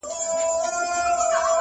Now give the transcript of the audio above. دوه او درې ځله غوټه سو په څپو کي-